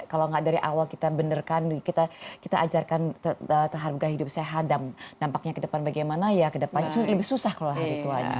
kalau tidak dari awal kita benarkan kita ajarkan terharga hidup sehat dan nampaknya ke depan bagaimana ya ke depan lebih susah kalau hari itu aja